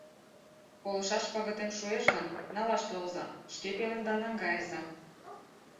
Колышаш пагытем шуэш гын, налаш толза, шке пеленда наҥгайыза...